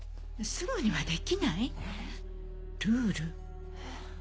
すぐにはできない？ルール？